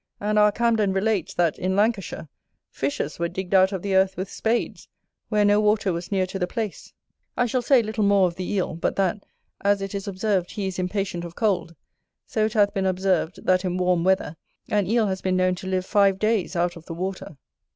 And our Camden relates, that, in Lancashire, fishes were digged out of the earth with spades, where no water was near to the place. I shall say little more of the Eel, but that, as it is observed he is impatient of cold, so it hath been observed, that, in warm weather, an Eel has been known to live five days out of the water.